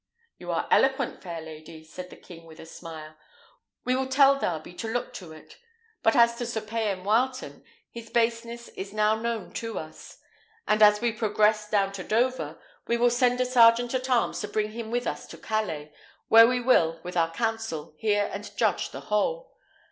"You are eloquent, lady fair," said the king with a smile; "we will tell Darby to look to it. But as to Sir Payan Wileton, his baseness is now known to us; and as we progress down to Dover, we will send a sergeant at arms to bring him with us to Calais, where we will, with our council, hear and judge the whole.